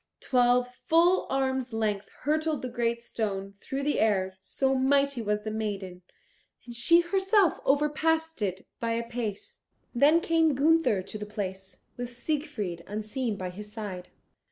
Twelve full arms' length hurtled the great stone through the air, so mighty was the maiden, and she herself overpassed it by a pace. Then came Gunther to the place, with Siegfried unseen by his side.